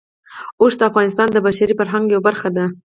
اوښ د افغانستان د بشري فرهنګ یوه برخه ده.